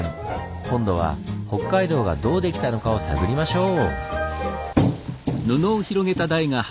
今度は北海道がどうできたのかを探りましょう！